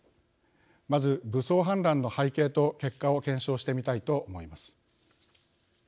まず武装反乱の背景と結果を検証してみたいと思います。